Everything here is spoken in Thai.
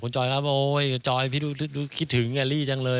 จอยครับโอ๊ยจอยพี่คิดถึงแอลลี่จังเลย